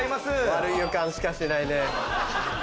悪い予感しかしないね。